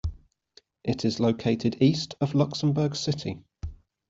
It is located east of Luxembourg City.